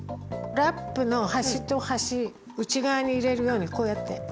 ラップの端と端内側に入れるようにこうやって。